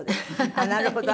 なるほど。